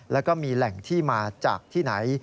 แล้วก็มีแหล่งที่มาจากที่ไหน